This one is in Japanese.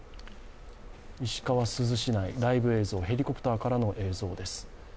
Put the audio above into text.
石川・珠洲市内、ライブ映像、ヘリコプターからの映像です。